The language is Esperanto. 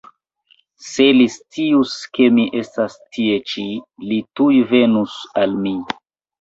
Se li scius, ke mi estas tie ĉi, li tuj venus al mi.